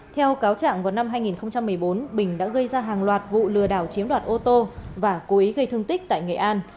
theo cáo trạng vào năm hai nghìn một mươi bốn bình đã gây ra hàng loạt vụ lừa đảo chiếm đoạt ô tô và cố ý gây thương tích tại nghệ an